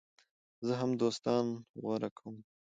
زه ښه دوستان غوره کوم.